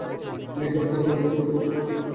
লিখে কী হবে যখন এর মধ্যেই বসবাস করছ?